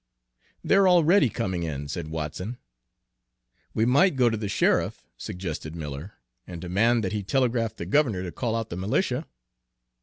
"They're already coming in," said Watson. "We might go to the sheriff," suggested Miller, "and demand that he telegraph the governor to call out the militia."